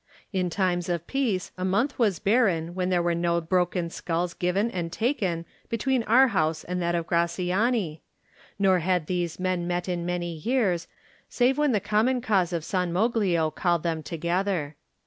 In times of peace a month was barren when there were no broken skulls given and taken between our house and that of Graziani, nor had these men met in many years, save when the common cause of San Moglio called them together.